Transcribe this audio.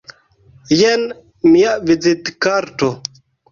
Jen mia vizitkarto.